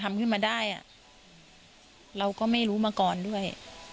ทำขึ้นมาได้อ่ะเราก็ไม่รู้มาก่อนด้วย